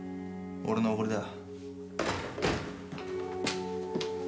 俺のおごりだ。